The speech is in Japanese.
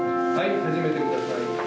始めてください。